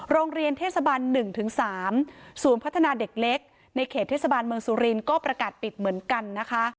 โรงเรียนเทศบัน๑๓ศูนย์พัฒนาเด็กเล็กในเขตเทศบาลเมืองสุรินทร์ก็ประกาศปิดเหมือนกันนะคะ